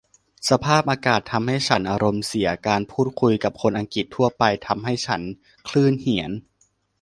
สภาพอากาศทำให้ฉันอารมณ์เสีย การพูดคุยกับคนอังกฤษทั่วไปทำให้ฉันคลื่นเหียน